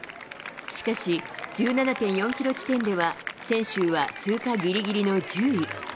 しかし、１７．４キロ地点では、専修は通過ぎりぎりの１０位。